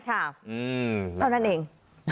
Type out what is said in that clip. ค่ะเอานั่นเอง